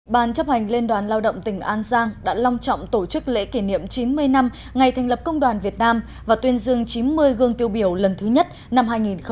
ban chấp hành liên đoàn lao động tỉnh an giang đã long trọng tổ chức lễ kỷ niệm chín mươi năm ngày thành lập công đoàn việt nam và tuyên dương chín mươi gương tiêu biểu lần thứ nhất năm hai nghìn một mươi chín